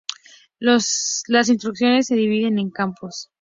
Las instrucciones se dividen en campos.